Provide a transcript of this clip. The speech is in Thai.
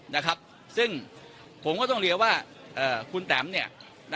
นะครับซึ่งผมก็ต้องเรียกว่าเอ่อคุณแตมเนี่ย